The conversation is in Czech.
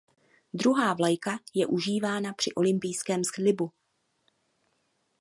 Druhá vlajka je užívána při olympijském slibu.